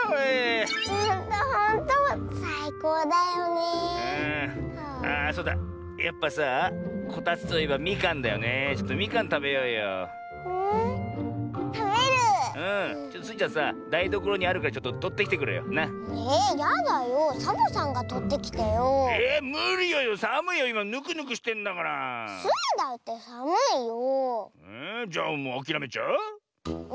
えじゃあもうあきらめちゃう？